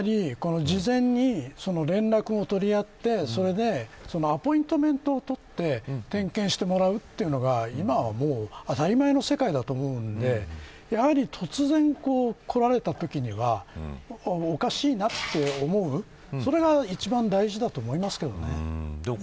やはり事前に連絡を取り合ってアポイントメントを取って点検してもらうということが今は当たり前の世界だと思うので突然来られたときにはおかしいなと思うそれが一番大事だと思います。